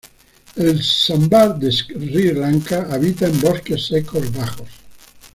El Sambar de Sri Lanka habita en bosques secos bajos.